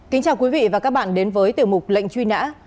kính chào quý vị và các bạn đến với tiểu mục lệnh truy nã